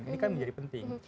ini kan menjadi penting